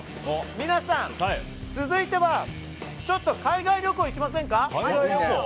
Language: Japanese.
皆さん、続いてはちょっと海外旅行行きませんか？